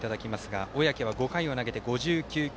小宅は５回を投げて５９球。